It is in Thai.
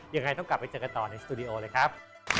ยังไงต้องกลับไปเจอกันต่อในสตูดิโอเลยครับ